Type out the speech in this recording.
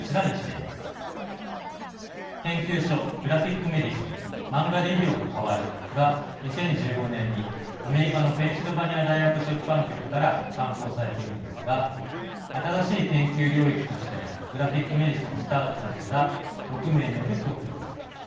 研究書「グラフィック・メディスンマンガで医療が変わる」が２０１５年にアメリカのペンシルバニア大学出版局から刊行されているのですが新しい研究領域としてのグラフィック・メディスンをスタートさせた６名による共著です。